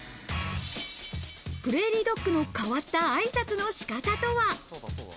プレーリードッグの変わった挨拶の仕方とは？